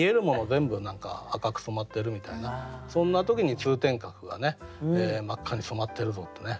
全部が赤く染まってるみたいなそんな時に通天閣が真っ赤に染まってるぞってね。